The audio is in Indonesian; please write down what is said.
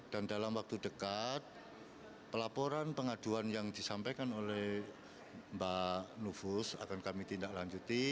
dan dalam waktu dekat pelaporan pengaduan yang disampaikan oleh mbak nufus akan kami tindak lanjut